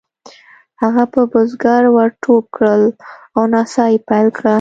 هغه په بزګر ور ټوپ کړل او نڅا یې پیل کړه.